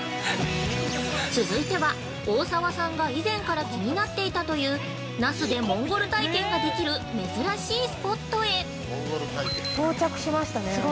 ◆続いては、大沢さんが以前から気になっていたという那須でモンゴル体験ができる珍しいスポットへ！◆到着しましたね。